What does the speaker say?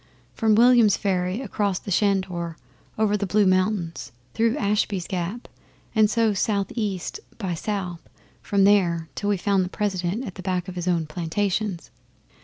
From Williams Ferry, across the Shanedore, over the Blue Mountains, through Ashby's Gap, and so south east by south from there, till we found the President at the back of his own plantations.